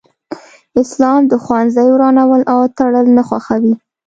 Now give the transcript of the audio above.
اسلام د ښوونځي ورانول او تړل نه خوښوي